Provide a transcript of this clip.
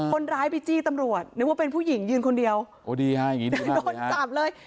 คนร้ายไปจี้ตำรวจนึกว่าเป็นผู้หญิงยืนคนเดียวโอ้ดีฮะอย่างนี้นะโดนจับเลย